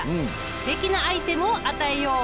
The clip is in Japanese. すてきなアイテムを与えよう。